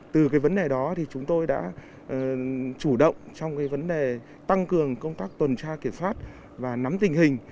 từ cái vấn đề đó thì chúng tôi đã chủ động trong vấn đề tăng cường công tác tuần tra kiểm soát và nắm tình hình